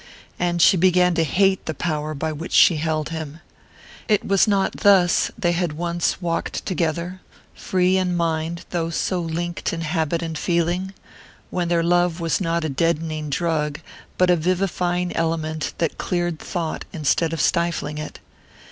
And she began to hate the power by which she held him. It was not thus they had once walked together, free in mind though so linked in habit and feeling; when their love was not a deadening drug but a vivifying element that cleared thought instead of stifling it.